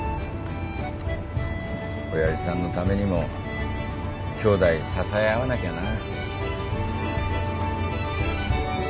おやじさんのためにも兄弟支え合わなきゃな。